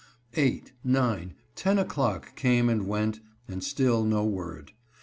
Eight, nine, ten o'clock came and went, and still no word.